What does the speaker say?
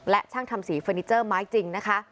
และช่างทำสีเฟอร์นิเจอร์ไม้จริงนะคะ